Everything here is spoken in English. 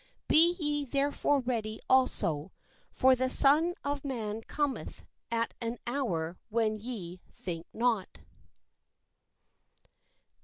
Be ye therefore ready also: for the Son of man cometh at an hour when ye think not.